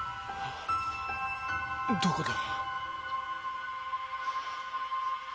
どこだ？